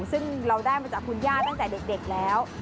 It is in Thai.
ซึ่งเราได้มาจากคุณย่าตั้งแต่เด็กแล้ว